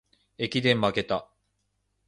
駅伝まけた